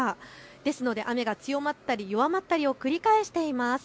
ですので雨が強まったり弱まったりを繰り返しています。